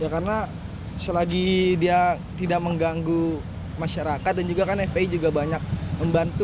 karena selagi dia tidak mengganggu masyarakat dan juga kan fpi juga banyak membantu